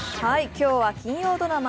今日は金曜ドラマ